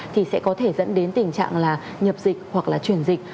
thì sẽ có thể dẫn đến tình trạng là nhập dịch hoặc là chuyển dịch